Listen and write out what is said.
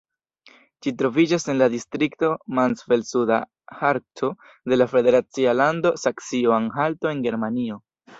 Ĝi troviĝas en la distrikto Mansfeld-Suda Harco de la federacia lando Saksio-Anhalto en Germanio.